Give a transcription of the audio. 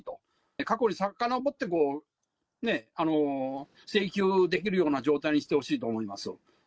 過去にさかのぼって請求できるような状態にしてほしいと思います。